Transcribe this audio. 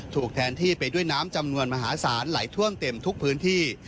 ถูกแทนที่ไปด้วยน้ำจำนวนมหาศาลไหลท่วมเต็มทุกพื้นที่